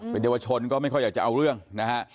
เป็นเยาวชนก็ไม่ค่อยอยากจะเอาเรื่องนะฮะ